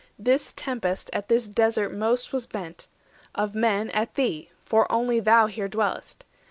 This tempest at this desert most was bent; Of men at thee, for only thou here dwell'st.